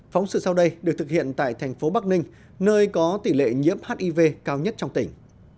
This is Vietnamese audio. phóng sự sau đây được thực hiện tại thành phố bắc ninh nơi có tỷ lệ nhiễm hiv cao nhất trong tỉnh